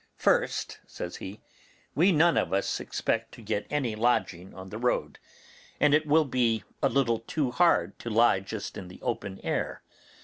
'First,' says he, 'we none of us expect to get any lodging on the road, and it will be a little too hard to lie just in the open air.